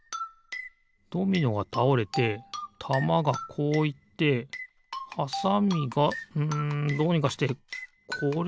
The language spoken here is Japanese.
ドミノがたおれてたまがこういってはさみがうんどうにかしてこれをおすのかな？